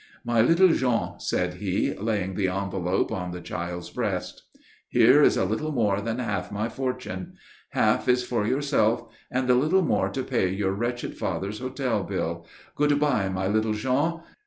"My little Jean," said he, laying the envelope on the child's breast. "Here is a little more than half my fortune. Half is for yourself and the little more to pay your wretched father's hotel bill. Good bye, my little Jean.